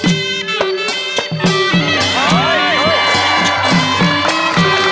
มีชื่อว่าโนราตัวอ่อนครับ